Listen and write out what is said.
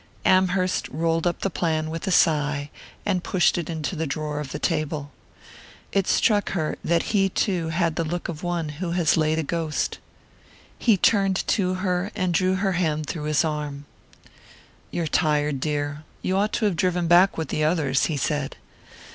Amherst rolled up the plan with a sigh and pushed it into the drawer of the table. It struck her that he too had the look of one who has laid a ghost. He turned to her and drew her hand through his arm. "You're tired, dear. You ought to have driven back with the others," he said.